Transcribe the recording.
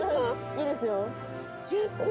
いいですよ。